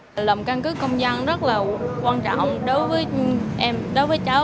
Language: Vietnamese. làm căn cước công dân rất là quan trọng đối với em đối với cháu